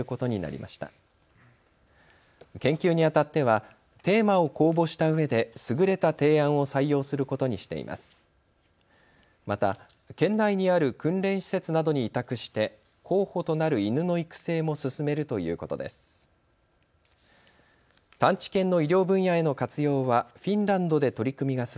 また県内にある訓練施設などに委託して候補となる犬の育成も進めるということです。